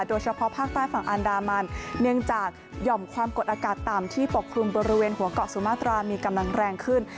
โดยเฉพาะภาคใต้ฝั่งอันดามันเนื่องจากหย่อมความกดอากาศต่ำที่ปกคลุมบริเวณหัวเกาะสุมาตรามีกำลังแรงขึ้น